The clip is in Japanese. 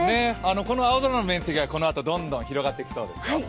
この青空の面積は、このあとどんどん広がっていきそうですよ